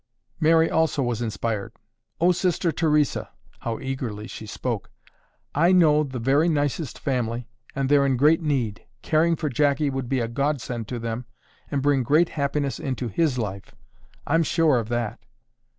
Mary also was inspired. "Oh, Sister Theresa," how eagerly she spoke. "I know the very nicest family and they're in great need. Caring for Jackie would be a godsend to them and bring great happiness into his life, I'm sure of that."